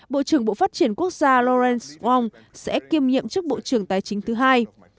bộ trưởng bộ phát triển quốc gia lawrence wong sẽ kiêm nhiệm trước bộ trưởng tài chính thứ hai